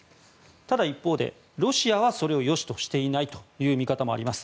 ただ、一方でロシアはそれをよしとしていないという見方もあります。